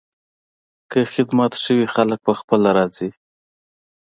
که خدمت ښه وي، خلک پخپله راځي.